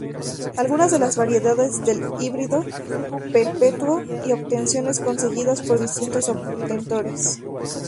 Algunas de las variedades de Híbrido Perpetuo y obtenciones conseguidas por distintos obtentores.